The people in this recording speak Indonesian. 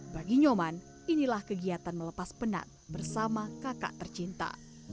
bagi nyoman inilah kegiatan melepas penat bersama kakak tercinta